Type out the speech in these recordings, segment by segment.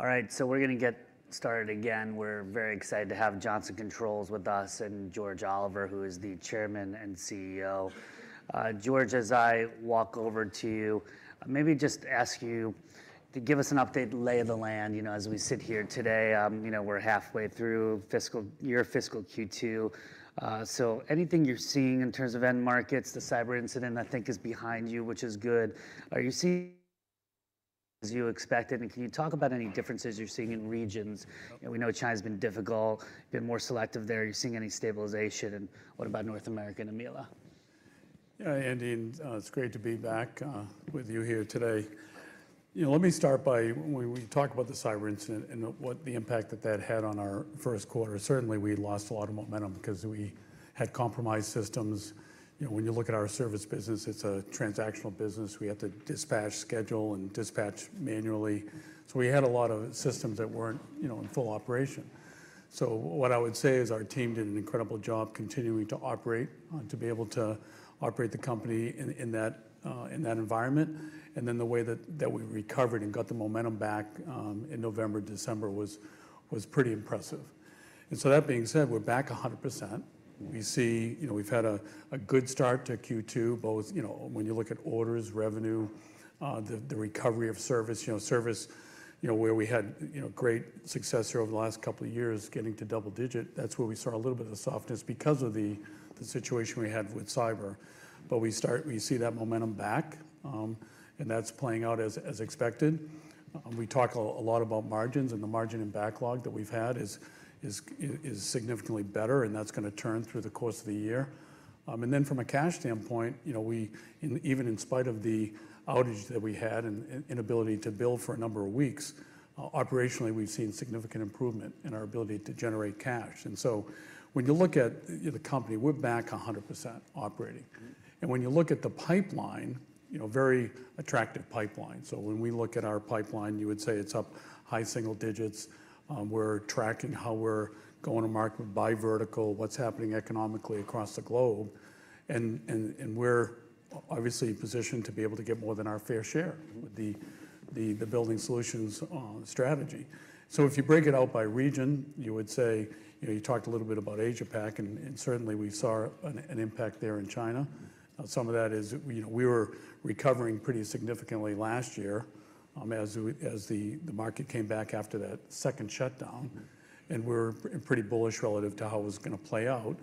All right, so we're gonna get started again. We're very excited to have Johnson Controls with us and George Oliver, who is the Chairman and CEO. George, as I walk over to you, maybe just ask you to give us an update lay of the land, you know, as we sit here today. You know, we're halfway through fiscal year fiscal Q2. So anything you're seeing in terms of end markets, the cyber incident I think is behind you, which is good. Are you seeing as you expected, and can you talk about any differences you're seeing in regions? You know, we know China's been difficult, been more selective there. You're seeing any stabilization, and what about North America, EMEALA? Yeah, Andy, it's great to be back with you here today. You know, let me start by when we talk about the cyber incident and what the impact that that had on our first quarter. Certainly, we lost a lot of momentum 'cause we had compromised systems. You know, when you look at our service business, it's a transactional business. We had to dispatch, schedule and dispatch manually. So we had a lot of systems that weren't, you know, in full operation. So what I would say is our team did an incredible job continuing to operate, to be able to operate the company in, in that, in that environment. And then the way that, that we recovered and got the momentum back, in November, December was, was pretty impressive. And so that being said, we're back 100%. We see, you know, we've had a good start to Q2, both, you know, when you look at orders, revenue, the recovery of service, you know, service, you know, where we had, you know, great success here over the last couple of years getting to double-digit, that's where we saw a little bit of softness because of the situation we had with cyber. But we see that momentum back, and that's playing out as expected. We talk a lot about margins, and the margin and backlog that we've had is significantly better, and that's gonna turn through the course of the year. And then from a cash standpoint, you know, we, even in spite of the outage that we had and inability to build for a number of weeks, operationally, we've seen significant improvement in our ability to generate cash. And so when you look at, you know, the company, we're back 100% operating. And when you look at the pipeline, you know, very attractive pipeline. So when we look at our pipeline, you would say it's up high single digits. We're tracking how we're going to market by vertical, what's happening economically across the globe. And we're obviously positioned to be able to get more than our fair share with the Building Solutions strategy. So if you break it out by region, you would say, you know, you talked a little bit about AsiaPac, and certainly, we saw an impact there in China. Some of that is, you know, we were recovering pretty significantly last year, as we as the, the market came back after that second shutdown. And we're pretty bullish relative to how it was gonna play out.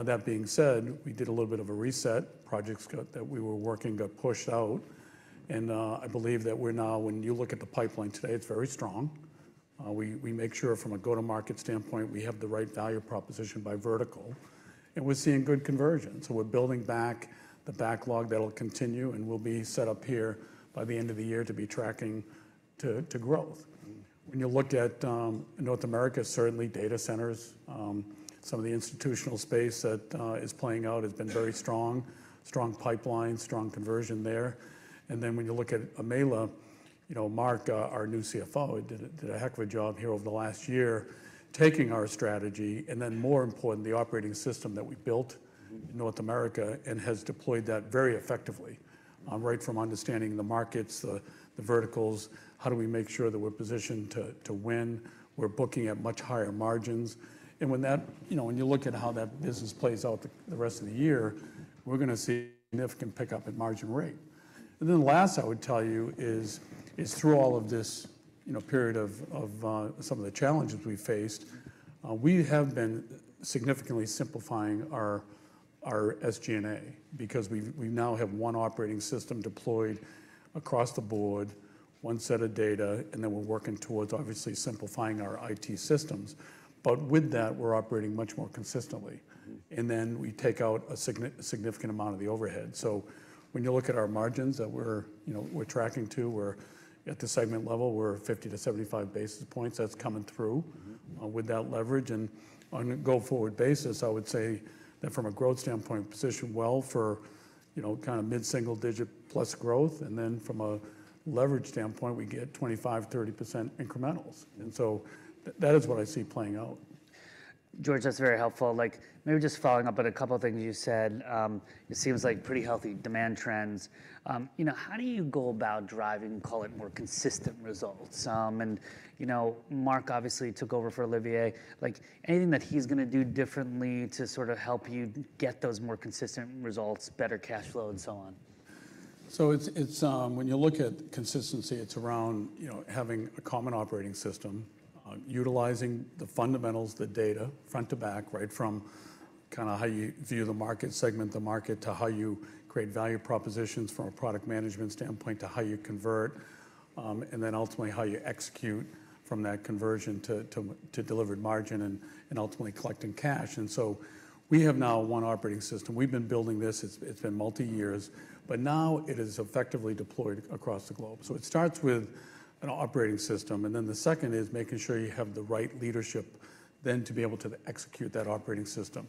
That being said, we did a little bit of a reset. Projects got that we were working got pushed out. And, I believe that we're now when you look at the pipeline today, it's very strong. We, we make sure from a go-to-market standpoint, we have the right value proposition by vertical. And we're seeing good conversion. So we're building back the backlog that'll continue, and we'll be set up here by the end of the year to be tracking to, to growth. When you look at North America, certainly, data centers, some of the institutional space that is playing out has been very strong, strong pipelines, strong conversion there. And then when you look at EMEALA, you know, Marc, our new CFO, he did a heck of a job here over the last year taking our strategy and then, more important, the operating system that we built in North America and has deployed that very effectively, right from understanding the markets, the verticals, how do we make sure that we're positioned to win. We're booking at much higher margins. And when that you know, when you look at how that business plays out the rest of the year, we're gonna see significant pickup in margin rate. And then last, I would tell you, is through all of this, you know, period of some of the challenges we faced, we have been significantly simplifying our SG&A because we've now have one operating system deployed across the board, one set of data, and then we're working towards, obviously, simplifying our IT systems. But with that, we're operating much more consistently. And then we take out a significant amount of the overhead. So when you look at our margins that we're, you know, we're tracking to, we're at the segment level, we're 50 to 75 basis points. That's coming through, with that leverage. And on a go-forward basis, I would say that from a growth standpoint, we're positioned well for, you know, kinda mid-single-digit plus growth. And then from a leverage standpoint, we get 25%-30% incrementals. And so that is what I see playing out. George, that's very helpful. Like, maybe just following up on a couple of things you said. It seems like pretty healthy demand trends. You know, how do you go about driving, call it, more consistent results? And, you know, Marc, obviously, took over for Olivier. Like, anything that he's gonna do differently to sort of help you get those more consistent results, better cash flow, and so on? So it's when you look at consistency, it's around, you know, having a common operating system, utilizing the fundamentals, the data, front to back, right, from kinda how you view the market, segment the market, to how you create value propositions from a product management standpoint, to how you convert, and then ultimately, how you execute from that conversion to delivered margin and ultimately, collecting cash. And so we have now one operating system. We've been building this. It's been multi-years. But now, it is effectively deployed across the globe. So it starts with an operating system. And then the second is making sure you have the right leadership then to be able to execute that operating system.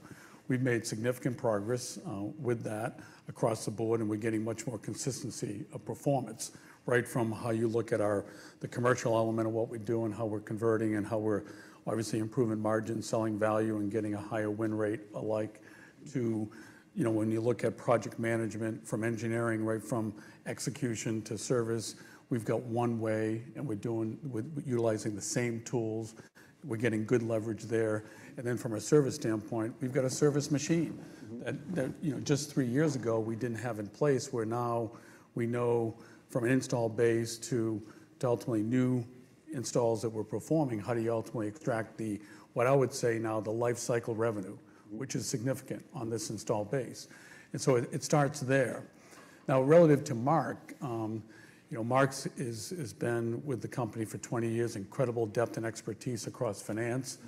We've made significant progress with that across the board, and we're getting much more consistency of performance, right, from how you look at our commercial element of what we do and how we're converting and how we're, obviously, improving margin, selling value, and getting a higher win rate alike to, you know, when you look at project management from engineering, right, from execution to service. We've got one way, and we're doing with utilizing the same tools. We're getting good leverage there. And then from a service standpoint, we've got a service machine that, you know, just three years ago, we didn't have in place. We're now we know from an install base to ultimately new installs that we're performing, how do you ultimately extract the what I would say now, the life cycle revenue, which is significant on this install base. And so it starts there. Now, relative to Marc, you know, Marc has been with the company for 20 years, incredible depth and expertise across finance.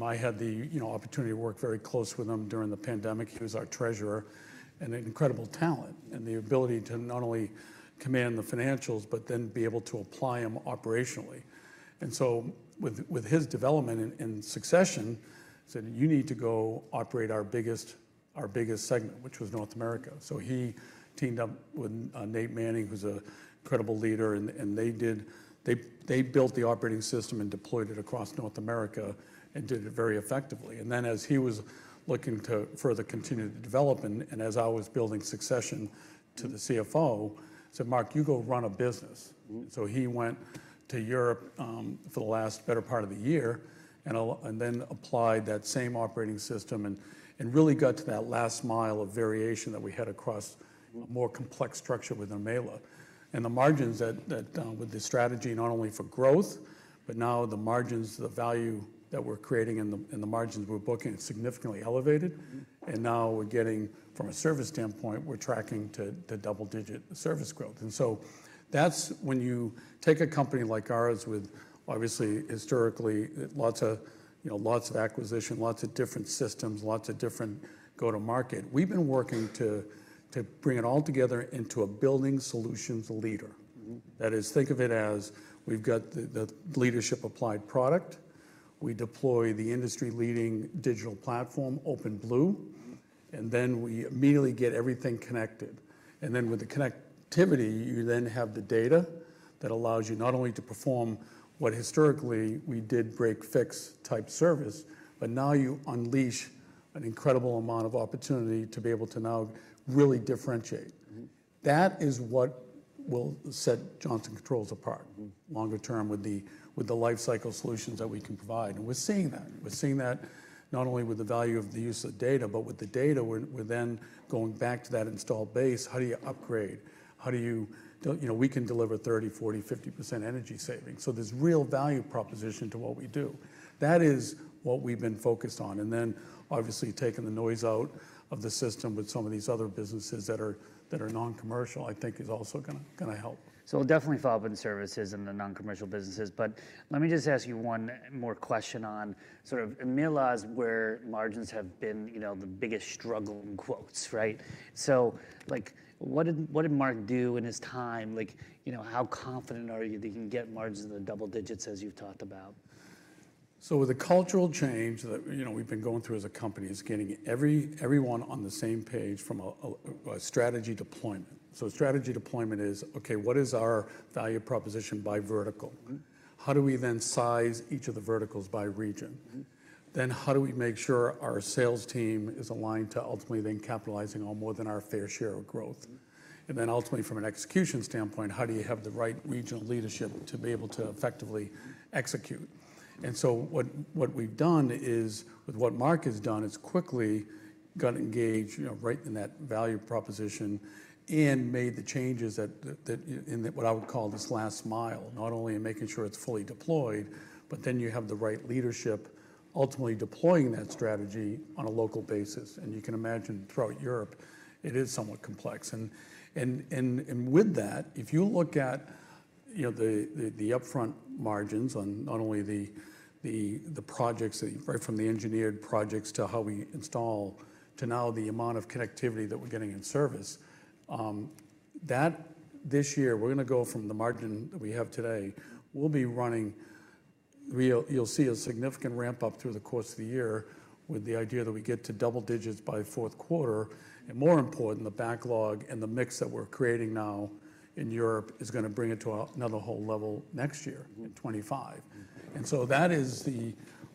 I had the, you know, opportunity to work very close with him during the pandemic. He was our treasurer and an incredible talent and the ability to not only command the financials but then be able to apply them operationally. And so with his development and succession, said, "You need to go operate our biggest segment," which was North America. So he teamed up with Nate Manning, who's a credible leader, and they built the operating system and deployed it across North America and did it very effectively. And then as he was looking to further continue to develop and as I was building succession to the CFO, said, "Marc, you go run a business." And so he went to Europe for the last better part of the year and then applied that same operating system and really got to that last mile of variation that we had across a more complex structure with EMEALA. And the margins that with the strategy, not only for growth, but now the margins, the value that we're creating in the margins we're booking, it's significantly elevated. And now we're getting from a service standpoint, we're tracking to double digit service growth. And so that's when you take a company like ours with, obviously, historically, lots of, you know, lots of acquisition, lots of different systems, lots of different go-to-market. We've been working to bring it all together into a building solutions leader. That is, think of it as we've got the leadership applied product. We deploy the industry-leading digital platform, OpenBlue. And then we immediately get everything connected. And then with the connectivity, you then have the data that allows you not only to perform what historically, we did break-fix type service, but now, you unleash an incredible amount of opportunity to be able to now really differentiate. That is what will set Johnson Controls apart longer term with the life cycle solutions that we can provide. And we're seeing that. We're seeing that not only with the value of the use of data but with the data. We're then going back to that install base. How do you upgrade? How do you know, we can deliver 30%, 40%, 50% energy savings. So there's real value proposition to what we do. That is what we've been focused on. And then, obviously, taking the noise out of the system with some of these other businesses that are non-commercial, I think, is also gonna help. So we'll definitely follow up on the services and the non-commercial businesses. But let me just ask you one more question on sort of EMEALA's where margins have been, you know, the biggest struggle in quotes, right? So, like, what did Marc do in his time? Like, you know, how confident are you that he can get margins to double digits, as you've talked about? So with the cultural change that, you know, we've been going through as a company, it's getting everyone on the same page from a strategy deployment. So strategy deployment is, okay, what is our value proposition by vertical? How do we then size each of the verticals by region? Then how do we make sure our sales team is aligned to ultimately then capitalizing on more than our fair share of growth? And then ultimately, from an execution standpoint, how do you have the right regional leadership to be able to effectively execute? And so what we've done is with what Marc has done, it's quickly got engaged, you know, right in that value proposition and made the changes that in the what I would call this last mile, not only in making sure it's fully deployed, but then you have the right leadership ultimately deploying that strategy on a local basis. And you can imagine throughout Europe, it is somewhat complex. And with that, if you look at, you know, the upfront margins on not only the projects that you right from the engineered projects to how we install to now, the amount of connectivity that we're getting in service, that this year, we're gonna go from the margin that we have today. We'll be running. You'll see a significant ramp-up through the course of the year with the idea that we get to double digits by fourth quarter. More important, the backlog and the mix that we're creating now in Europe is gonna bring it to another whole level next year in 2025. So that is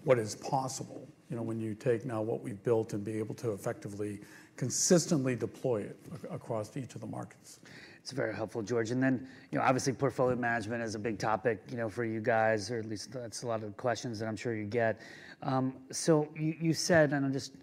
what is possible, you know, when you take now what we've built and be able to effectively, consistently deploy it across each of the markets. It's very helpful, George. And then, you know, obviously, portfolio management is a big topic, you know, for you guys or at least that's a lot of questions that I'm sure you get. So you, you said and I'm just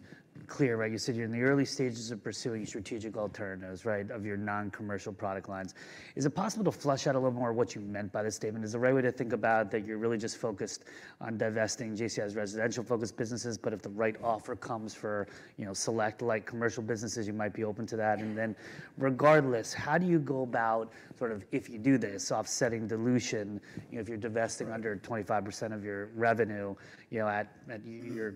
clear, right? You said you're in the early stages of pursuing strategic alternatives, right, of your non-commercial product lines. Is it possible to flesh out a little more what you meant by this statement? Is the right way to think about that you're really just focused on divesting JCI's residential-focused businesses? But if the right offer comes for, you know, select light commercial businesses, you might be open to that. Then regardless, how do you go about sort of if you do this, offsetting dilution, you know, if you're divesting under 25% of your revenue, you know, at, at your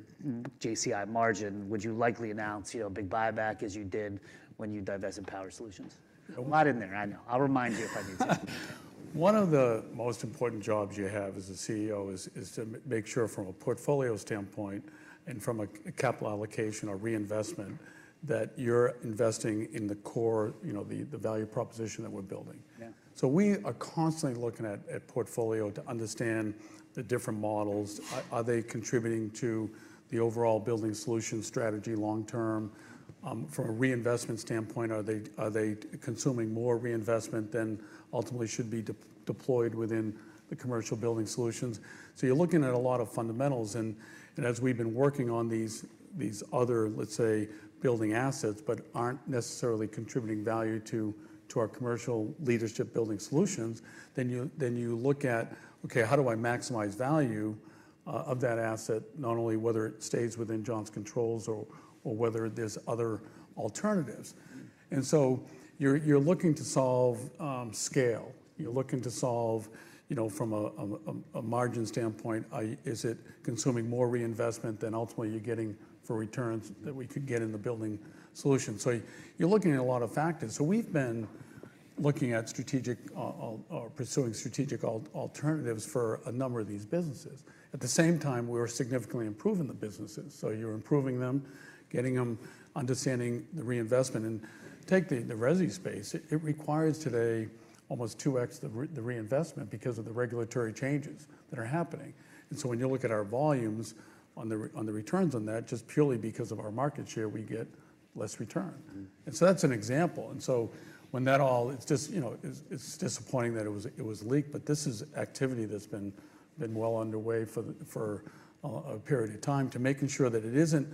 JCI margin, would you likely announce, you know, a big buyback as you did when you divested Power Solutions? A lot in there. I know. I'll remind you if I need to. One of the most important jobs you have as a CEO is to make sure from a portfolio standpoint and from a capital allocation or reinvestment that you're investing in the core, you know, the value proposition that we're building. So we are constantly looking at portfolio to understand the different models. Are they contributing to the overall building solution strategy long term? From a reinvestment standpoint, are they consuming more reinvestment than ultimately should be deployed within the commercial building solutions? So you're looking at a lot of fundamentals. And as we've been working on these other, let's say, building assets but aren't necessarily contributing value to our commercial leadership building solutions, then you look at, okay, how do I maximize value of that asset, not only whether it stays within Johnson Controls or whether there's other alternatives? And so you're looking to solve scale. You're looking to solve, you know, from a margin standpoint, is it consuming more reinvestment than ultimately you're getting for returns that we could get in the building solution? So you're looking at a lot of factors. So we've been looking at strategic or pursuing strategic alternatives for a number of these businesses. At the same time, we're significantly improving the businesses. So you're improving them, getting them understanding the reinvestment. And take the resi space. It requires today almost 2x the reinvestment because of the regulatory changes that are happening. So when you look at our volumes on the returns on that, just purely because of our market share, we get less return. So that's an example. So when that all, it's just, you know, it's disappointing that it was leaked. But this is activity that's been well underway for a period of time, making sure that it isn't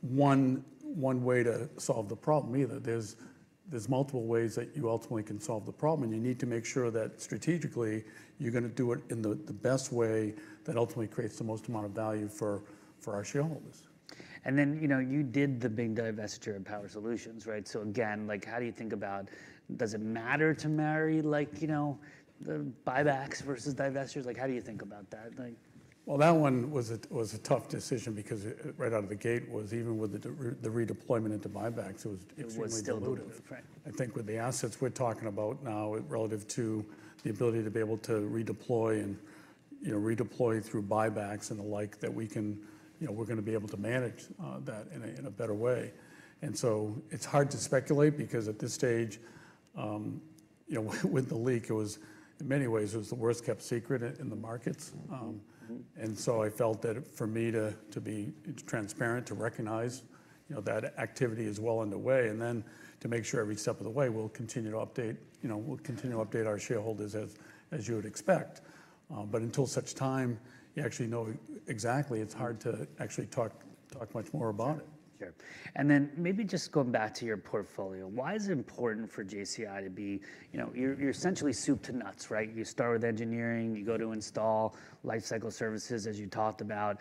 one way to solve the problem either. There's multiple ways that you ultimately can solve the problem. You need to make sure that strategically, you're gonna do it in the best way that ultimately creates the most amount of value for our shareholders. And then, you know, you did the big divestiture of Power Solutions, right? So again, like, how do you think about does it matter to marry, like, you know, the buybacks versus divestitures? Like, how do you think about that? Like. Well, that one was a tough decision because it, right out of the gate, was even with the redeployment into buybacks. It was really difficult. It was still dilutive, right? I think with the assets we're talking about now relative to the ability to be able to redeploy and, you know, redeploy through buybacks and the like that we can, you know, we're gonna be able to manage that in a better way. And so it's hard to speculate because at this stage, you know, with the leak, it was in many ways the worst kept secret in the markets. And so I felt that for me to be transparent, to recognize, you know, that activity is well underway. And then to make sure every step of the way, we'll continue to update, you know, we'll continue to update our shareholders as you would expect. But until such time you actually know exactly, it's hard to actually talk much more about it. Sure. And then maybe just going back to your portfolio, why is it important for JCI to be you know, you're, you're essentially soup to nuts, right? You start with engineering. You go to install life cycle services, as you talked about,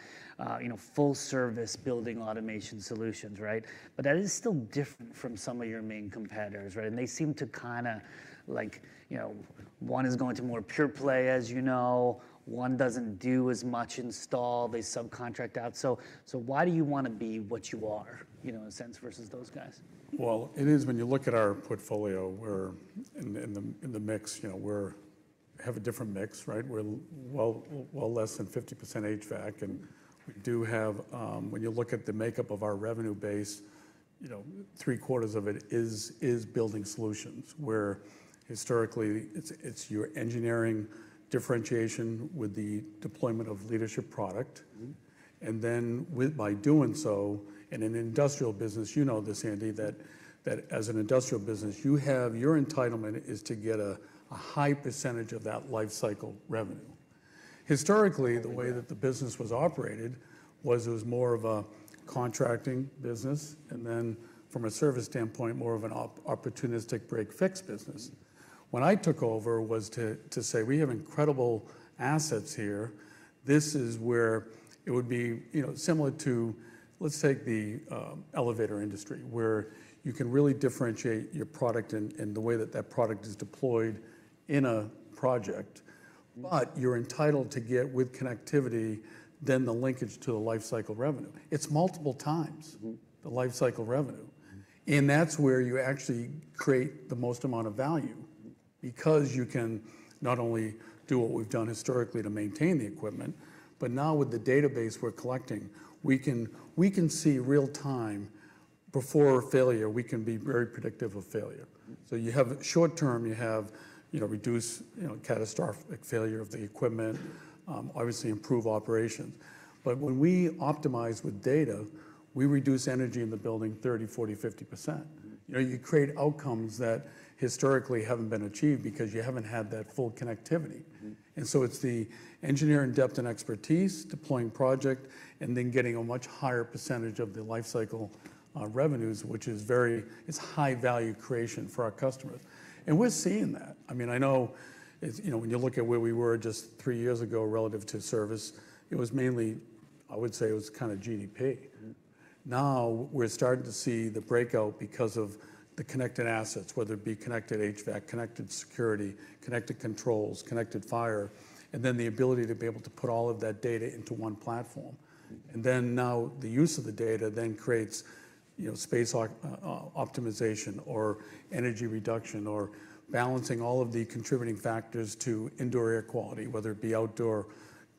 you know, full-service building automation solutions, right? But that is still different from some of your main competitors, right? And they seem to kinda like, you know, one is going to more pure play, as you know. One doesn't do as much install. They subcontract out. So, so why do you wanna be what you are, you know, in a sense, versus those guys? Well, it is when you look at our portfolio, we're in the mix, you know, we have a different mix, right? We're well less than 50% HVAC. And when you look at the makeup of our revenue base, you know, three-quarters of it is building solutions where historically, it's your engineering differentiation with the deployment of leadership product. And then by doing so in an industrial business, you know this, Andy, that as an industrial business, you have your entitlement to get a high percentage of that life cycle revenue. Historically, the way that the business was operated was more of a contracting business. And then from a service standpoint, more of an opportunistic break-fix business. When I took over was to say, "We have incredible assets here." This is where it would be, you know, similar to let's take the elevator industry where you can really differentiate your product in the way that that product is deployed in a project. But you're entitled to get with connectivity then the linkage to the life cycle revenue. It's multiple times the life cycle revenue. And that's where you actually create the most amount of value because you can not only do what we've done historically to maintain the equipment, but now, with the database we're collecting, we can see real time before failure. We can be very predictive of failure. So you have short term, you have, you know, reduce, you know, catastrophic failure of the equipment, obviously, improve operations. But when we optimize with data, we reduce energy in the building 30%, 40%, 50%. You know, you create outcomes that historically haven't been achieved because you haven't had that full connectivity. And so it's the engineering depth and expertise, deploying project, and then getting a much higher percentage of the life cycle, revenues, which is very it's high-value creation for our customers. And we're seeing that. I mean, I know it's you know, when you look at where we were just three years ago relative to service, it was mainly I would say it was kinda GDP. Now, we're starting to see the breakout because of the connected assets, whether it be connected HVAC, connected security, connected controls, connected fire, and then the ability to be able to put all of that data into one platform. And then now, the use of the data then creates, you know, space optimization or energy reduction or balancing all of the contributing factors to indoor air quality, whether it be outdoor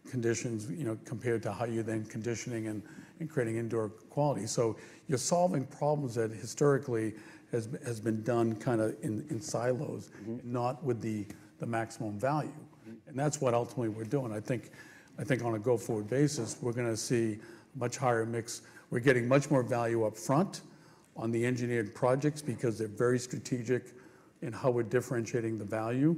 conditions, you know, compared to how you're then conditioning and, and creating indoor quality. So you're solving problems that historically has been done kinda in silos, not with the maximum value. And that's what ultimately we're doing. I think on a go-forward basis, we're gonna see much higher mix. We're getting much more value upfront on the engineered projects because they're very strategic in how we're differentiating the value.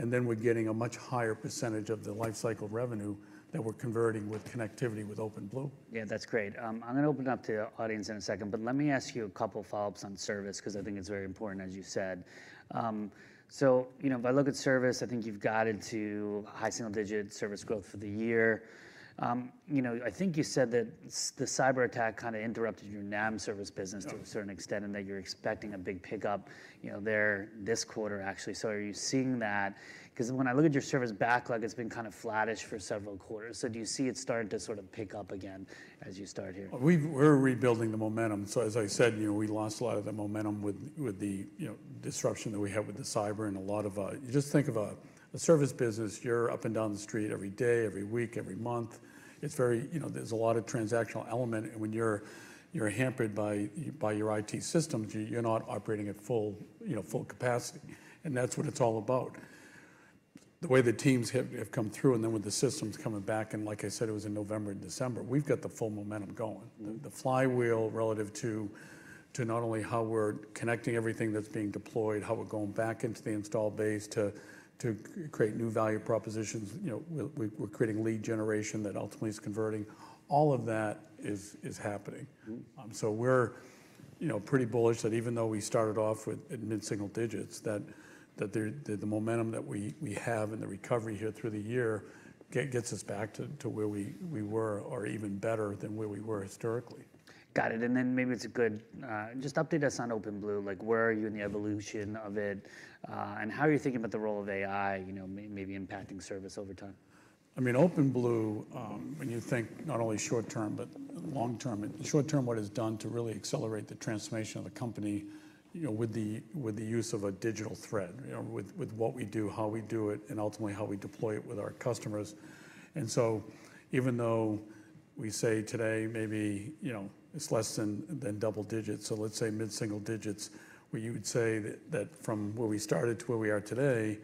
And then we're getting a much higher percentage of the life cycle revenue that we're converting with connectivity with OpenBlue. Yeah. That's great. I'm gonna open it up to the audience in a second. But let me ask you a couple follow-ups on service 'cause I think it's very important, as you said. So, you know, if I look at service, I think you've got it to high single-digit service growth for the year. You know, I think you said that's the cyber attack kinda interrupted your NAM service business to a certain extent and that you're expecting a big pickup, you know, there this quarter, actually. So are you seeing that? 'Cause when I look at your service backlog, it's been kinda flattish for several quarters. So do you see it starting to sort of pick up again as you start here? We're rebuilding the momentum. So as I said, you know, we lost a lot of the momentum with the, you know, disruption that we had with the cyber and a lot of, you just think of a service business. You're up and down the street every day, every week, every month. It's very you know, there's a lot of transactional element. And when you're hampered by your IT systems, you're not operating at full, you know, full capacity. And that's what it's all about. The way the teams have come through and then with the systems coming back and like I said, it was in November and December, we've got the full momentum going. The flywheel relative to not only how we're connecting everything that's being deployed, how we're going back into the install base to create new value propositions, you know, we're creating lead generation that ultimately is converting. All of that is happening. So we're, you know, pretty bullish that even though we started off at mid-single digits, that the momentum that we have and the recovery here through the year get us back to where we were or even better than where we were historically. Got it. And then maybe it's a good, just update us on OpenBlue. Like, where are you in the evolution of it, and how are you thinking about the role of AI, you know, maybe impacting service over time? I mean, OpenBlue, when you think not only short term but long term, it short term, what it's done to really accelerate the transformation of the company, you know, with the use of a digital thread, you know, with what we do, how we do it, and ultimately, how we deploy it with our customers. And so even though we say today, maybe, you know, it's less than double digits. So let's say mid-single digits, where you would say that from where we started to where we are today,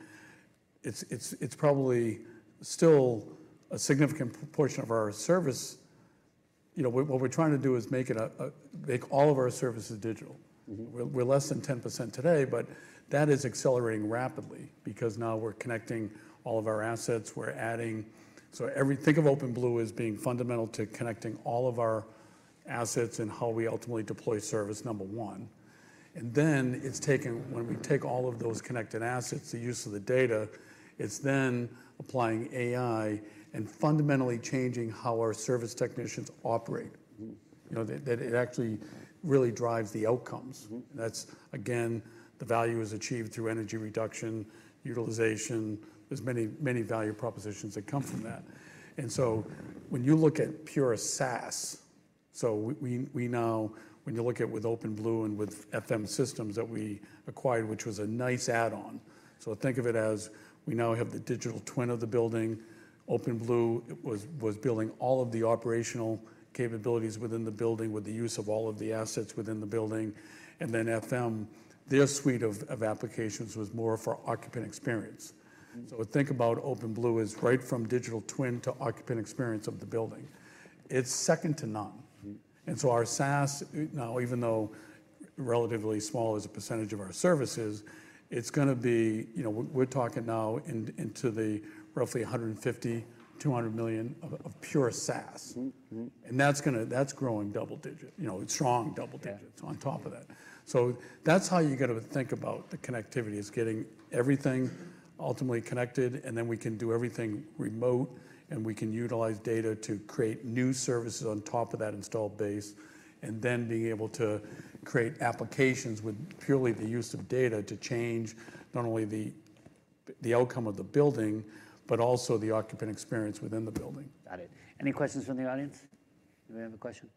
it's probably still a significant portion of our service. You know, what we're trying to do is make it a make all of our services digital. We're less than 10% today. But that is accelerating rapidly because now, we're connecting all of our assets. We're adding, so every think of OpenBlue as being fundamental to connecting all of our assets and how we ultimately deploy service, number one. And then it's taken when we take all of those connected assets, the use of the data; it's then applying AI and fundamentally changing how our service technicians operate. You know, that, that it actually really drives the outcomes. And that's—again, the value is achieved through energy reduction, utilization. There's many, many value propositions that come from that. And so when you look at pure SaaS, so we, we, we now—when you look at with OpenBlue and with FM:Systems that we acquired, which was a nice add-on. So think of it as we now have the digital twin of the building. OpenBlue, it was building all of the operational capabilities within the building with the use of all of the assets within the building. And then FM, their suite of applications was more for occupant experience. So think about OpenBlue as right from digital twin to occupant experience of the building. It's second to none. And so our SaaS now, even though relatively small as a percentage of our services, it's gonna be you know, we're talking now into the roughly $150 million-$200 million of pure SaaS. And that's gonna growing double digit, you know, strong double digits on top of that. So that's how you gotta think about the connectivity is getting everything ultimately connected. And then we can do everything remote. And we can utilize data to create new services on top of that installed base and then being able to create applications with purely the use of data to change not only the outcome of the building but also the occupant experience within the building. Got it. Any questions from the audience? Anybody have a question?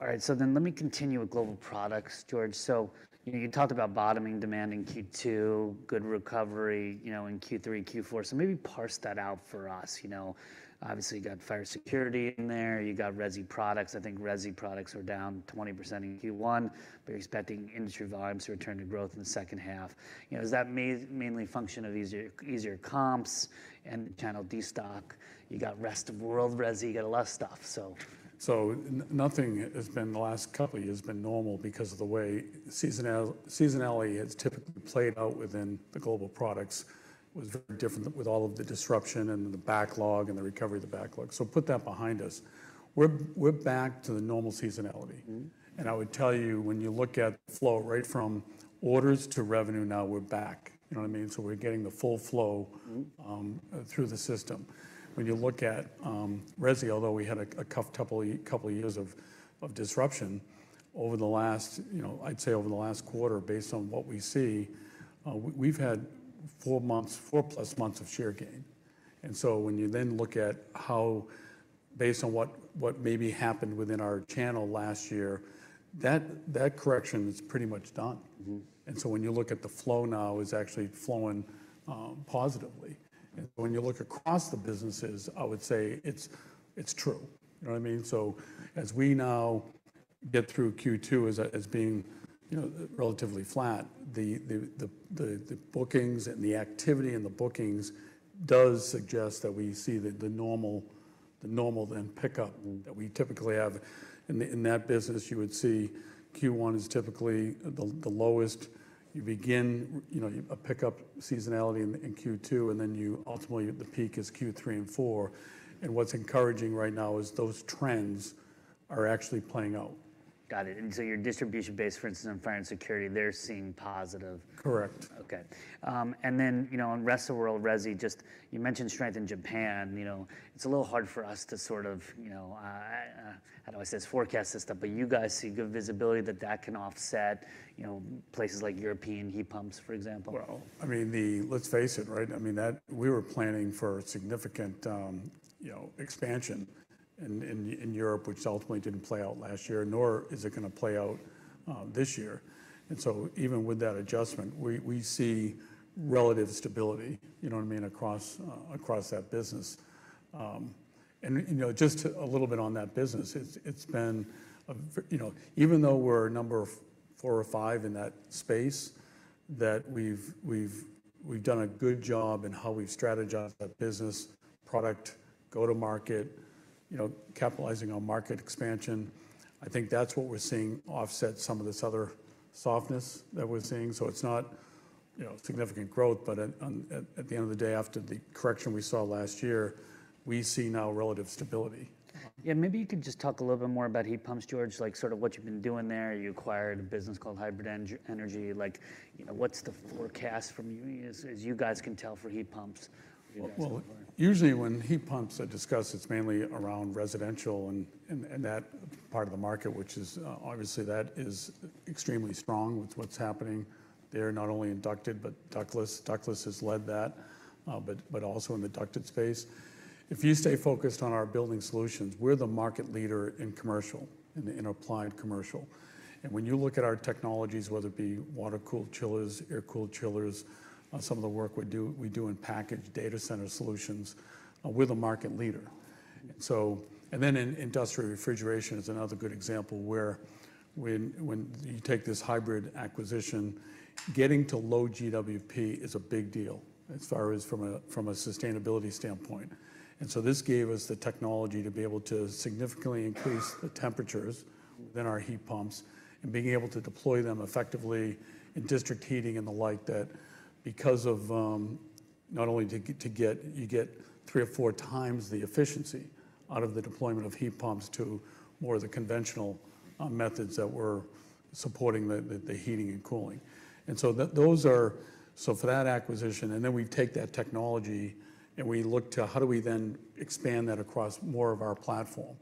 All right. So then let me continue with Global Products, George. So, you know, you talked about bottoming demand in Q2, good recovery, you know, in Q3, Q4. So maybe parse that out for us. You know, obviously, you got fire security in there. You got resi products. I think resi products are down 20% in Q1. But you're expecting industry volumes to return to growth in the second half. You know, is that mainly function of easier comps and channel destock? You got rest-of-world resi. You got a lot of stuff, so. So, nothing, the last couple of years, has been normal because of the way seasonality has typically played out within the Global Products was very different with all of the disruption and the backlog and the recovery of the backlog. So, put that behind us. We're back to the normal seasonality. And I would tell you, when you look at the flow right from orders to revenue, now, we're back. You know what I mean? So, we're getting the full flow through the system. When you look at resi, although we had a couple of years of disruption over the last, you know, I'd say over the last quarter, based on what we see, we've had four-plus months of share gain. And so when you then look at how based on what maybe happened within our channel last year, that correction is pretty much done. And so when you look at the flow now, it's actually flowing positively. And so when you look across the businesses, I would say it's true. You know what I mean? So as we now get through Q2 as being, you know, relatively flat, the bookings and the activity in the bookings does suggest that we see the normal pickup that we typically have. In that business, you would see Q1 is typically the lowest. You begin, you know, a pickup seasonality in Q2. And then you ultimately, the peak is Q3 and Q4. And what's encouraging right now is those trends are actually playing out. Got it. And so your distribution base, for instance, on fire and security, they're seeing positive. Correct. Okay. And then, you know, on rest-of-world resi, just you mentioned strength in Japan. You know, it's a little hard for us to sort of, you know, how do I say this? Forecast this stuff. But you guys see good visibility that that can offset, you know, places like European heat pumps, for example. Well, I mean, let's face it, right? I mean, that we were planning for significant, you know, expansion in Europe, which ultimately didn't play out last year, nor is it gonna play out this year. And so even with that adjustment, we see relative stability. You know what I mean? Across that business. And, you know, just a little bit on that business, it's been a V, you know, even though we're number four or five in that space, that we've done a good job in how we've strategized that business, product, go-to-market, you know, capitalizing on market expansion. I think that's what we're seeing offset some of this other softness that we're seeing. So it's not, you know, significant growth. But at the end of the day, after the correction we saw last year, we see now relative stability. Yeah. Maybe you could just talk a little bit more about heat pumps, George, like sort of what you've been doing there. You acquired a business called Hybrid Energy. Like, you know, what's the forecast from you as you guys can tell for heat pumps? Well, usually, when heat pumps are discussed, it's mainly around residential and that part of the market, which is, obviously, extremely strong with what's happening there, not only ducted but ductless. Ductless has led that, but also in the ducted space. If you stay focused on our building solutions, we're the market leader in commercial, in applied commercial. And when you look at our technologies, whether it be water-cooled chillers, air-cooled chillers, some of the work we do in packaged data center solutions, we're the market leader. And so then in industrial refrigeration is another good example where, when you take this hybrid acquisition, getting to low GWP is a big deal as far as from a sustainability standpoint. This gave us the technology to be able to significantly increase the temperatures within our heat pumps and being able to deploy them effectively in district heating and the like that because of, not only to get three or four times the efficiency out of the deployment of heat pumps to more of the conventional methods that we're supporting the heating and cooling. Those are so for that acquisition, and then we take that technology, and we look to how do we then expand that across more of our platform.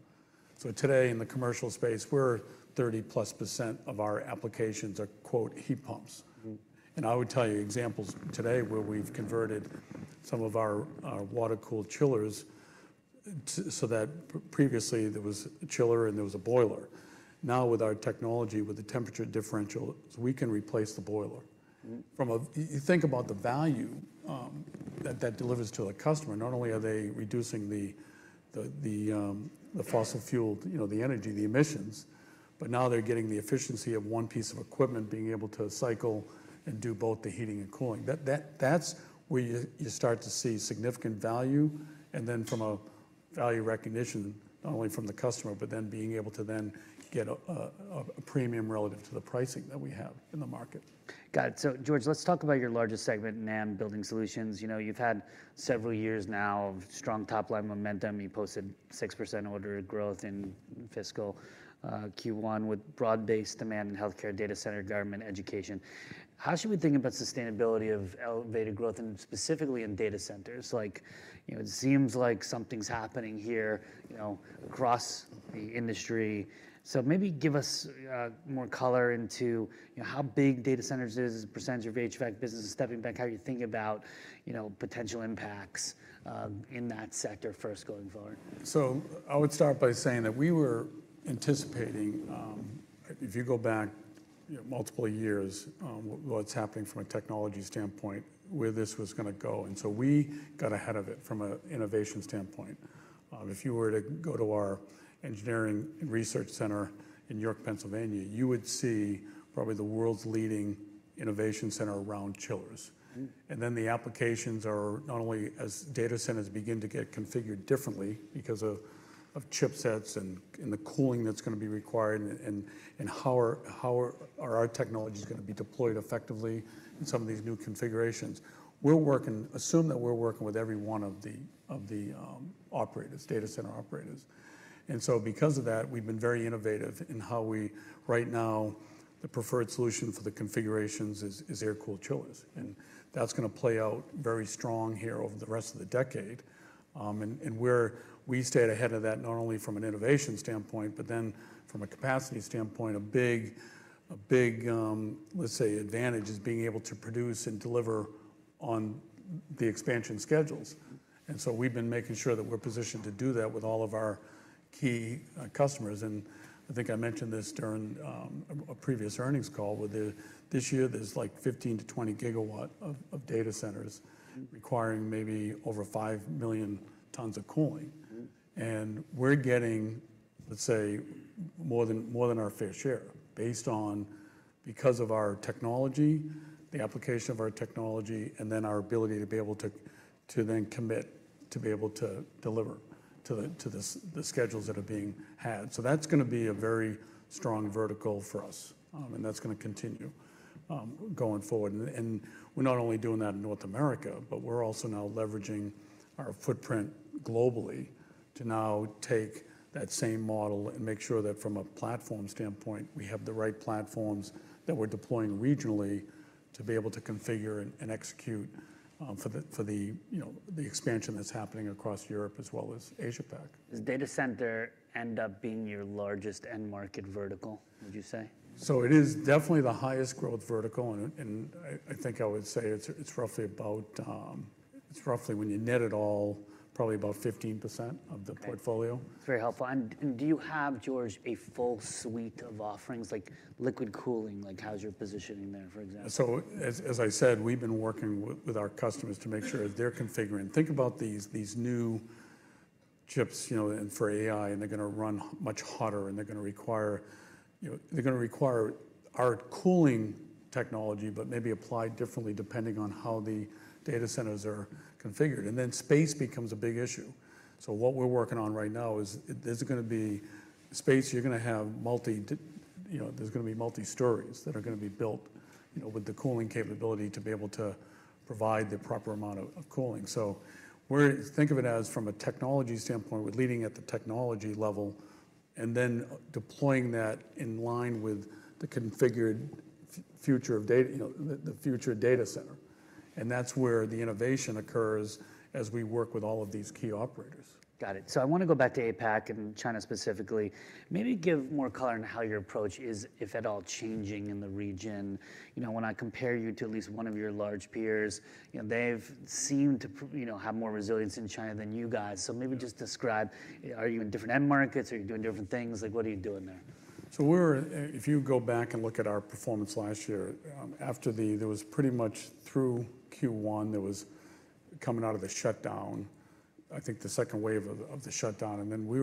So today, in the commercial space, we're 30%+ of our applications are, quote, "heat pumps." And I would tell you examples today where we've converted some of our water-cooled chillers, so that previously, there was a chiller, and there was a boiler. Now, with our technology, with the temperature differentials, we can replace the boiler. From a you think about the value, that that delivers to the customer. Not only are they reducing the the fossil-fueled you know, the energy, the emissions, but now, they're getting the efficiency of one piece of equipment being able to cycle and do both the heating and cooling. That, that's where you you start to see significant value. And then from a value recognition, not only from the customer but then being able to then get a a premium relative to the pricing that we have in the market. Got it. So, George, let's talk about your largest segment, NAM Building Solutions. You know, you've had several years now of strong top-line momentum. You posted 6% order growth in fiscal Q1 with broad-based demand in healthcare, data center, government, education. How should we think about sustainability of elevated growth and specifically in data centers? Like, you know, it seems like something's happening here, you know, across the industry. So maybe give us more color into, you know, how big data centers is, percentage of HVAC businesses stepping back, how you think about, you know, potential impacts in that sector first going forward. So I would start by saying that we were anticipating, if you go back, you know, multiple years, what's happening from a technology standpoint, where this was gonna go. And so we got ahead of it from a innovation standpoint. If you were to go to our engineering and research center in York, Pennsylvania, you would see probably the world's leading innovation center around chillers. And then the applications are not only as data centers begin to get configured differently because of chipsets and the cooling that's gonna be required and how our technologies gonna be deployed effectively in some of these new configurations. We're working. Assume that we're working with every one of the operators, data center operators. And so because of that, we've been very innovative in how we right now, the preferred solution for the configurations is air-cooled chillers. And that's gonna play out very strong here over the rest of the decade. And we're we stayed ahead of that not only from an innovation standpoint but then from a capacity standpoint. A big advantage is being able to produce and deliver on the expansion schedules. And so we've been making sure that we're positioned to do that with all of our key customers. And I think I mentioned this during a previous earnings call. With this year, there's, like, 15 GW-20 GW of data centers requiring maybe over five million tons of cooling. And we're getting, let's say, more than more than our fair share based on because of our technology, the application of our technology, and then our ability to be able to, to then commit to be able to deliver to the schedules that are being had. So that's gonna be a very strong vertical for us, and that's gonna continue going forward. And we're not only doing that in North America, but we're also now leveraging our footprint globally to now take that same model and make sure that from a platform standpoint, we have the right platforms that we're deploying regionally to be able to configure and execute for the, you know, expansion that's happening across Europe as well as Asia-Pac. Does data center end up being your largest end-market vertical, would you say? So it is definitely the highest-growth vertical. And I think I would say it's roughly, when you net it all, probably about 15% of the portfolio. Okay. That's very helpful. And do you have, George, a full suite of offerings? Like, liquid cooling, like, how's your positioning there, for example? So as I said, we've been working with our customers to make sure as they're configuring, think about these new chips, you know, and for AI, and they're gonna run much hotter. And they're gonna require, you know, our cooling technology but maybe applied differently depending on how the data centers are configured. And then space becomes a big issue. So what we're working on right now is, is it gonna be space. You're gonna have multi, you know, there's gonna be multi-stories that are gonna be built, you know, with the cooling capability to be able to provide the proper amount of cooling. So we're think of it as from a technology standpoint, we're leading at the technology level and then deploying that in line with the configured future of data, you know, the future of data center. That's where the innovation occurs as we work with all of these key operators. Got it. So I wanna go back to APAC and China specifically. Maybe give more color on how your approach is, if at all, changing in the region. You know, when I compare you to at least one of your large peers, you know, they've seemed to, you know, have more resilience in China than you guys. So maybe just describe it. Are you in different end markets? Are you doing different things? Like, what are you doing there? So if you go back and look at our performance last year, after that there was pretty much through Q1, there was coming out of the shutdown, I think, the second wave of the shutdown. And then we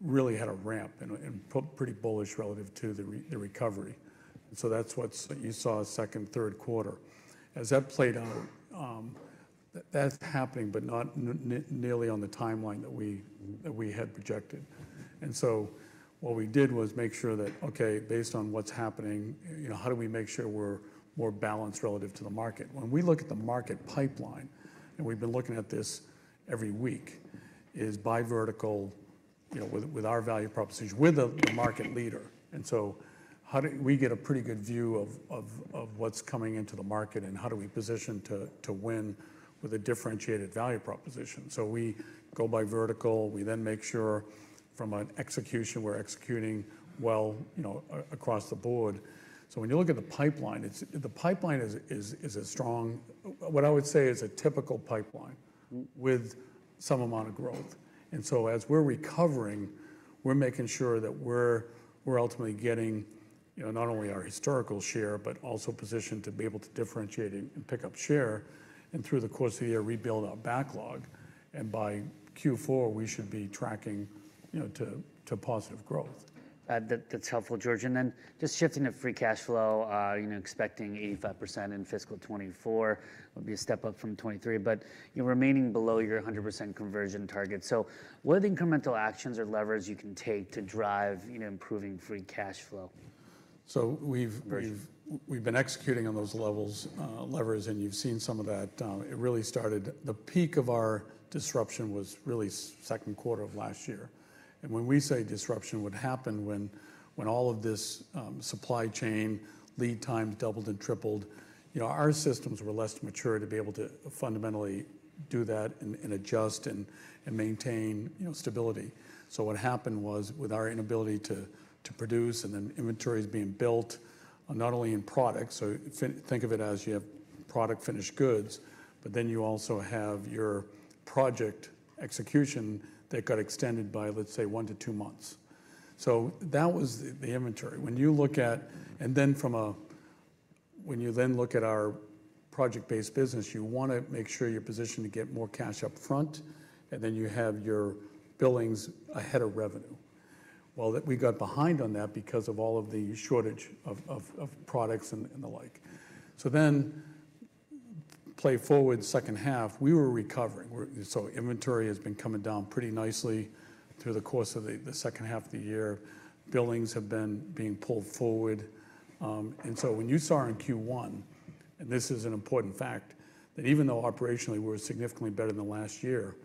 really had a ramp and put pretty bullish relative to the recovery. And so that's what you saw second, third quarter. As that played out, that's happening but not nearly on the timeline that we had projected. And so what we did was make sure that, okay, based on what's happening, you know, how do we make sure we're more balanced relative to the market? When we look at the market pipeline, and we've been looking at this every week, is by vertical, you know, with our value proposition with the market leader. So how do we get a pretty good view of what's coming into the market, and how do we position to win with a differentiated value proposition? So we go by vertical. We then make sure from an execution, we're executing well, you know, across the board. So when you look at the pipeline, the pipeline is a strong what I would say is a typical pipeline with some amount of growth. And so as we're recovering, we're making sure that we're ultimately getting, you know, not only our historical share but also positioned to be able to differentiate and pick up share. And through the course of the year, rebuild our backlog. And by Q4, we should be tracking, you know, to positive growth. That's helpful, George. And then just shifting to free cash flow, you know, expecting 85% in fiscal year 2024. It'll be a step up from 2023 but, you know, remaining below your 100% conversion target. So what are the incremental actions or levers you can take to drive, you know, improving free cash flow? So we've been executing on those levels, levers. And you've seen some of that. It really started. The peak of our disruption was really second quarter of last year. And when we say disruption, what happened when all of this supply chain, lead times doubled and tripled, you know, our systems were less mature to be able to fundamentally do that and adjust and maintain, you know, stability. So what happened was with our inability to produce and then inventories being built, not only in product, so finished, think of it as you have product, finished goods, but then you also have your project execution that got extended by, let's say, one to two months. So that was the inventory. When you look at our project-based business, you wanna make sure you're positioned to get more cash upfront, and then you have your billings ahead of revenue. Well, we got behind on that because of all of the shortage of products and the like. So then, playing forward second half, we were recovering. So inventory has been coming down pretty nicely through the course of the second half of the year. Billings have been being pulled forward, and so when you saw in Q1—and this is an important fact—that even though operationally, we were significantly better than last year,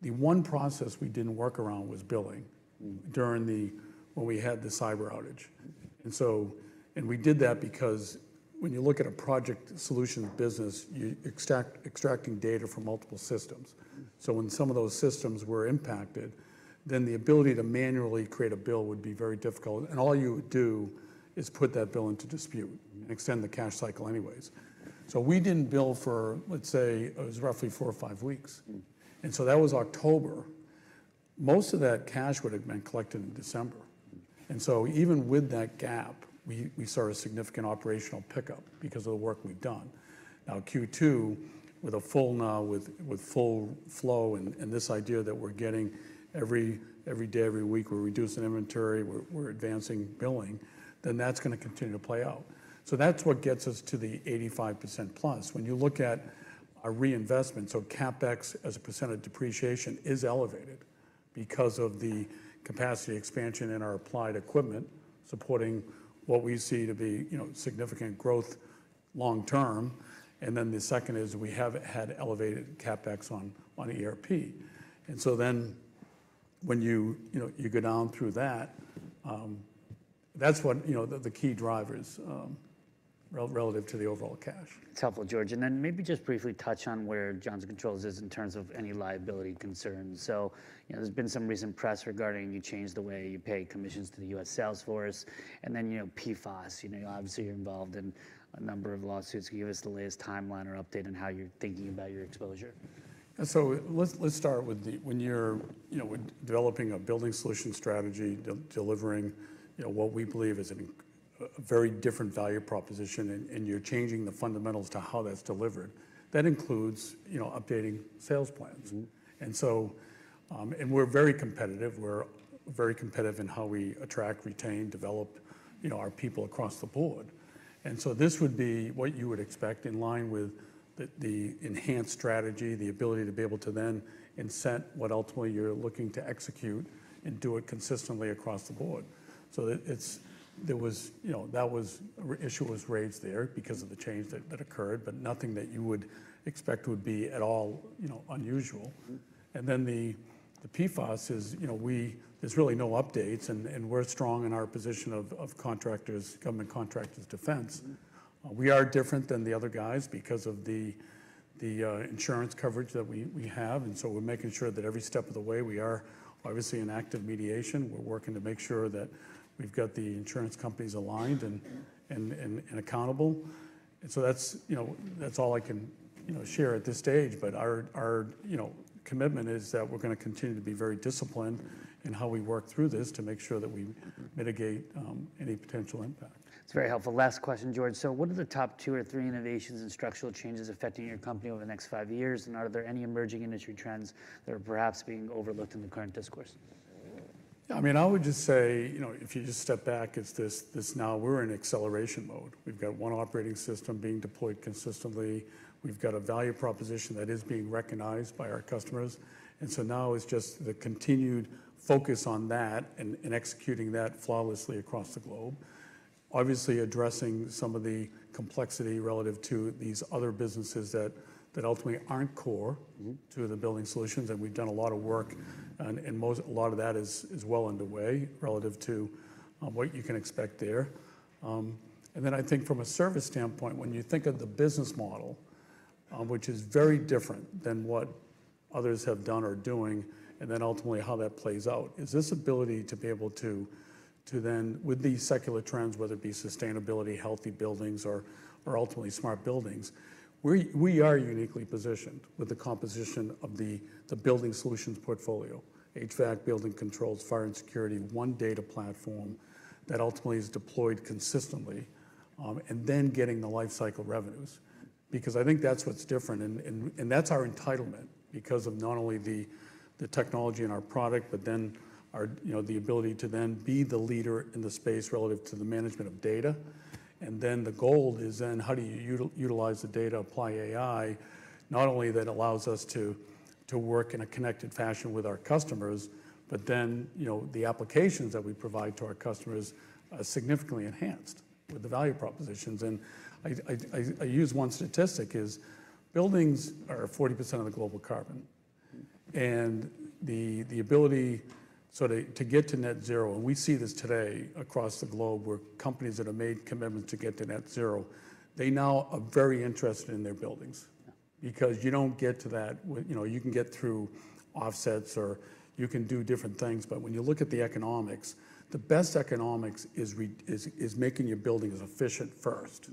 the one process we didn't work around was billing during when we had the cyber outage. And so we did that because when you look at a project solutions business, you're extracting data from multiple systems. So when some of those systems were impacted, then the ability to manually create a bill would be very difficult. And all you would do is put that bill into dispute and extend the cash cycle anyways. So we didn't bill for, let's say, it was roughly four or five weeks. And so that was October. Most of that cash would have been collected in December. And so even with that gap, we saw a significant operational pickup because of the work we've done. Now, Q2, with full flow and this idea that we're getting every day, every week, we're reducing inventory, we're advancing billing, then that's gonna continue to play out. So that's what gets us to the 85%+. When you look at our reinvestment, so CapEx as a percent of depreciation is elevated because of the capacity expansion in our applied equipment supporting what we see to be, you know, significant growth long term. And then the second is we have had elevated CapEx on ERP. And so then when you, you know, you go down through that, that's what, you know, the key drivers, relative to the overall cash. That's helpful, George. And then maybe just briefly touch on where Johnson Controls is in terms of any liability concerns. So, you know, there's been some recent press regarding you changed the way you pay commissions to the U.S. sales force. And then, you know, PFAS. You know, obviously, you're involved in a number of lawsuits. Can you give us the latest timeline or update on how you're thinking about your exposure? Yeah. So let's, let's start with when you're, you know, developing a building solution strategy, delivering, you know, what we believe is in a very different value proposition, and, and you're changing the fundamentals to how that's delivered, that includes, you know, updating sales plans. And so, and we're very competitive. We're very competitive in how we attract, retain, develop, you know, our people across the board. And so this would be what you would expect in line with the enhanced strategy, the ability to be able to then incent what ultimately you're looking to execute and do it consistently across the board. So it's, there was you know, that was an issue was raised there because of the change that occurred but nothing that you would expect would be at all, you know, unusual. And then the PFOS is, you know, we're, there's really no updates. And we're strong in our position of contractors, government contractors, defense. We are different than the other guys because of the insurance coverage that we have. And so we're making sure that every step of the way, we are obviously in active mediation. We're working to make sure that we've got the insurance companies aligned and accountable. And so that's, you know, that's all I can, you know, share at this stage. But our, you know, commitment is that we're gonna continue to be very disciplined in how we work through this to make sure that we mitigate any potential impact. That's very helpful. Last question, George. So what are the top two or three innovations and structural changes affecting your company over the next five years? And are there any emerging industry trends that are perhaps being overlooked in the current discourse? Yeah. I mean, I would just say, you know, if you just step back, it's this now, we're in acceleration mode. We've got one operating system being deployed consistently. We've got a value proposition that is being recognized by our customers. And so now, it's just the continued focus on that and executing that flawlessly across the globe, obviously, addressing some of the complexity relative to these other businesses that ultimately aren't core to the building solutions. And we've done a lot of work. And a lot of that is well underway relative to what you can expect there. And then I think from a service standpoint, when you think of the business model, which is very different than what others have done or doing, and then ultimately how that plays out, is this ability to be able to, to then with these secular trends, whether it be sustainability, healthy buildings, or, or ultimately smart buildings, we, we are uniquely positioned with the composition of the, the building solutions portfolio, HVAC, building controls, fire and security, one data platform that ultimately is deployed consistently, and then getting the lifecycle revenues because I think that's what's different. And, and, and that's our entitlement because of not only the, the technology in our product but then our you know, the ability to then be the leader in the space relative to the management of data. Then the goal is then how do you utilize the data, apply AI, not only that allows us to, to work in a connected fashion with our customers but then, you know, the applications that we provide to our customers are significantly enhanced with the value propositions. And I use one statistic: buildings are 40% of the global carbon. And the ability so to get to net zero, and we see this today across the globe where companies that have made commitments to get to net zero, they now are very interested in their buildings because you don't get to that with you know, you can get through offsets, or you can do different things. But when you look at the economics, the best economics is making your buildings efficient first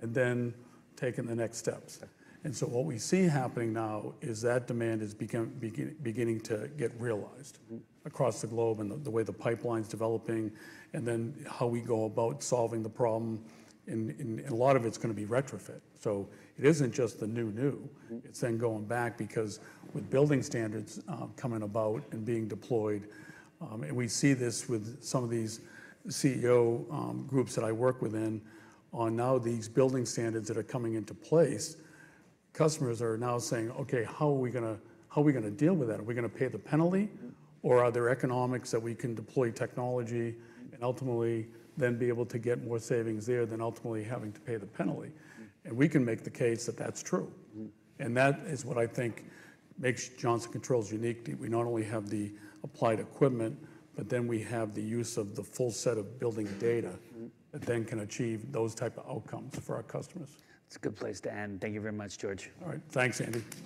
and then taking the next steps. And so what we see happening now is that demand is beginning to get realized across the globe and the way the pipeline's developing and then how we go about solving the problem. And a lot of it's gonna be retrofit. So it isn't just the new. It's then going back because with building standards coming about and being deployed, and we see this with some of these CEO groups that I work within on now these building standards that are coming into place, customers are now saying, "Okay. How are we gonna deal with that? Are we gonna pay the penalty, or are there economics that we can deploy technology and ultimately then be able to get more savings there than ultimately having to pay the penalty?" And we can make the case that that's true. That is what I think makes Johnson Controls unique. We not only have the applied equipment but then we have the use of the full set of building data that then can achieve those type of outcomes for our customers. That's a good place to end. Thank you very much, George. All right. Thanks, Andy.